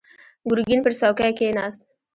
ګرګين پر څوکۍ کېناست.